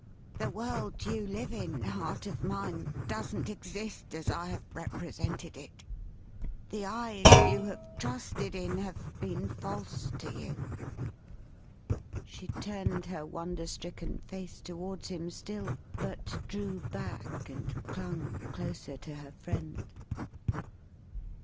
The world you live in, heart of mine, doesn't exist as I have represented it. The eyes you have trusted in, have been false to you." She turned her wonder stricken face towards him still; but drew back, and clung closer to her friend.